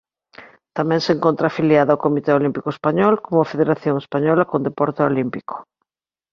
Tamén se encontra afiliada ao Comité Olímpico Español como federación española con deporte olímpico.